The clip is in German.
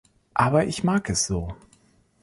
Aber ich mag es so.